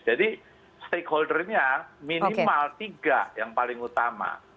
jadi stakeholder nya minimal tiga yang paling utama